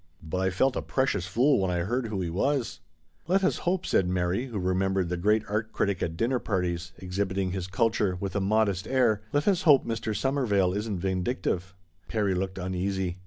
But I felt a precious fool when I heard who he was." " Let us hope," said Mary, who remembered the great art critic at dinner parties, exhibit ing his culture with an ineffable air, " let us hope Mr. Waklyn isn't vindictive." Perry looked uneasy.